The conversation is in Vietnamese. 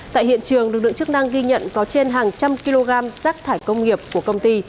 tại hiện trường lực lượng chức năng ghi nhận có trên hàng trăm kg rác thải công nghiệp của công ty